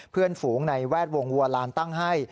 เพื่อนฝูงในแวสวงฌวลานตั้งให้